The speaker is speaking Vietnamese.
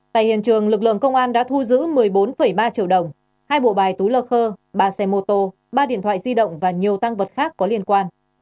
tại hiện trường lực lượng công an đã thu giữ một mươi bốn ba triệu đồng hai bộ bài túi lơ khơ ba xe mô tô ba điện thoại di động và nhiều tăng vật khác có liên quan